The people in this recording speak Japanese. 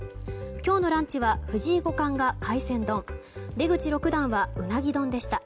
今日のランチは藤井五冠が海鮮丼出口六段は、うなぎ丼でした。